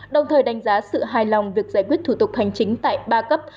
đồng thời đánh giá sự hài lòng việc giải quyết thủ tục hành chính tại ba cấp